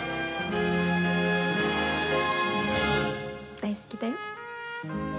大好きだよ。